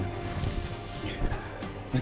ya betul pak